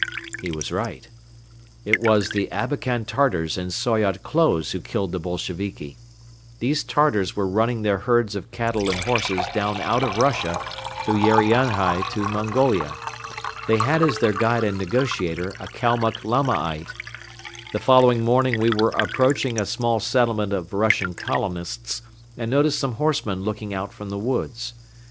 He was right. It was the Abakan Tartars in Soyot clothes who killed the Bolsheviki. These Tartars were running their herds of cattle and horses down out of Russia through Urianhai to Mongolia. They had as their guide and negotiator a Kalmuck Lamaite. The following morning we were approaching a small settlement of Russian colonists and noticed some horsemen looking out from the woods.